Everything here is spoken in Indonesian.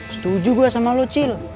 setuju gue sama lu cil